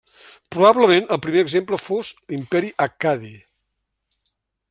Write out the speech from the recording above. Probablement el primer exemple fos l'imperi accadi.